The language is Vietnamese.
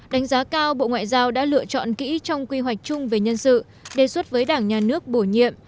đánh giá cao bộ ngoại giao đã lựa chọn kỹ trong quy hoạch chung về nhân sự đề xuất với đảng nhà nước bổ nhiệm